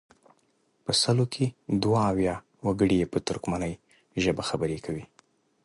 په سلو کې دوه اویا وګړي یې په ترکمني ژبه خبرې کوي.